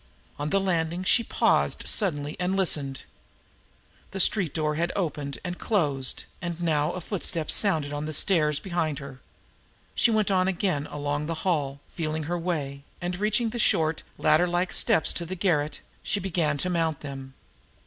On the landing, she paused suddenly and listened. The street door had opened and closed, and now a footstep sounded on the stairs behind her. She went on again along the hall, feeling her way; and reaching the short, ladder like steps to the garret, she began to mount them.